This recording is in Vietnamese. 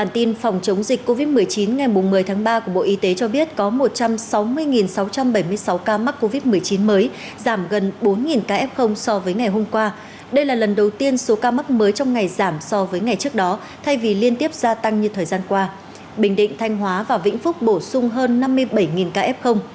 trong phòng chống dịch covid một mươi chín ngày một mươi tháng ba của bộ y tế cho biết có một trăm sáu mươi sáu trăm bảy mươi sáu ca mắc covid một mươi chín mới giảm gần bốn ca f so với ngày hôm qua đây là lần đầu tiên số ca mắc mới trong ngày giảm so với ngày trước đó thay vì liên tiếp gia tăng như thời gian qua bình định thanh hóa và vĩnh phúc bổ sung hơn năm mươi bảy ca f